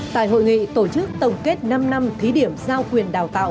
tại hội nghị tổ chức tổng kết năm năm thí điểm giao quyền đào tạo